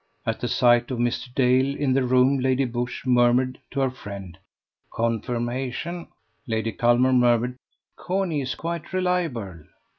At the sight of Mr. Dale in the room Lady Busshe murmured to her friend: "Confirmation!" Lady Culmer murmured: "Corney is quite reliable."